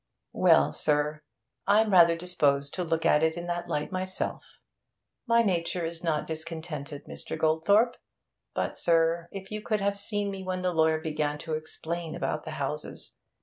'Well, sir, I'm rather disposed to look at it in that light myself. My nature is not discontented, Mr. Goldthorpe. But, sir, if you could have seen me when the lawyer began to explain about the houses!